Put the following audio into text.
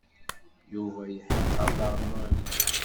Yuba yeḥqer daɣen Mary.